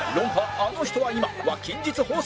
「あの人は今？」は近日放送！